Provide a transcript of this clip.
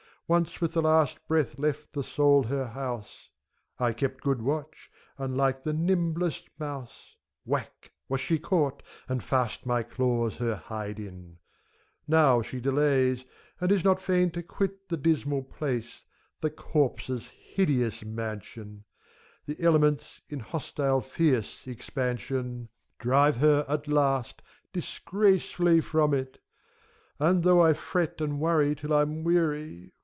Once with the last breath left the soul her house ; I kept good watch, and like the nimblest mouse, Whack ! was she caught, and fast my claws her hide in I Now she delays, and is not fain to quit The dismal place, the corpse's hideous mansion; The elements, in hostile, fierce expansion. Drive her, at last, disgracefully from it. And though I fret and worry till I'm weary.